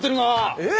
えっ？